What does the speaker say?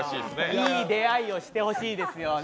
いい出会いをしてほしいですよね。